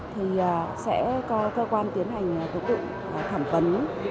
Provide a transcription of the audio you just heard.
thì sẽ có cơ quan tiến hành tổng cụ thẩm vấn